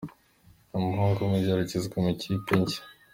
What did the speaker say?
Umuhungu mu igeragezwa muri ekipe shya